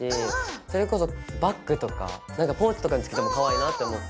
それこそバッグとかポーチとかにつけてもかわいいなって思った。